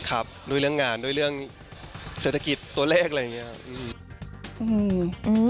ครับด้วยเรื่องงานด้วยเรื่องเศรษฐกิจตัวเลขอะไรอย่างนี้ครับ